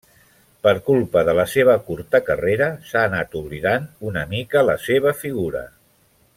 Per culpa de la seva curta carrera s'ha anat oblidant una mica la seva figura.